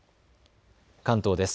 関東です。